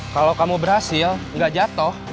kalau kamu berhasil nggak jatuh